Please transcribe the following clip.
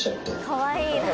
かわいい。